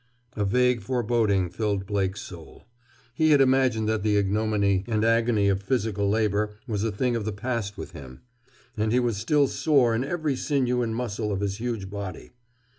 A vague foreboding filled Blake's soul. He had imagined that the ignominy and agony of physical labor was a thing of the past with him. And he was still sore in every sinew and muscle of his huge body.